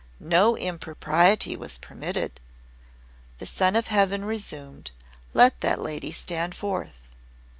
No impropriety was permitted." The Son of Heaven resumed: "Let that lady stand forth."